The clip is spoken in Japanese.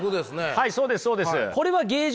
はいそうですそうです。